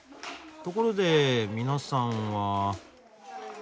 ところで皆さんは。